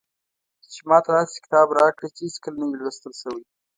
چې ماته داسې کتاب راکړي چې هېڅکله نه وي لوستل شوی.